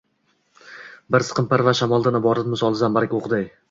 bir siqim par va shamoldan iborat misoli zambarak o‘qiday.